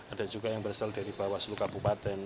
ada juga yang berasal dari bawaslu kabupaten